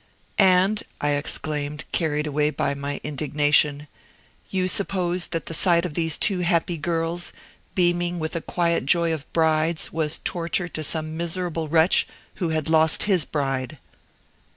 "And," I exclaimed, carried away by my indignation, "you suppose that the sight of these two happy girls, beaming with the quiet joy of brides, was torture to some miserable wretch who had lost his bride."